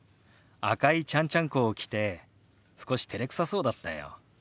赤いちゃんちゃんこを着て少してれくさそうだったよ。